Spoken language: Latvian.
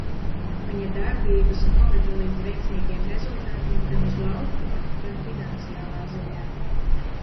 Viņa darbības noveda līdz veiksmīgiem rezultātiem gan uz laukuma, gan finansiālā ziņā.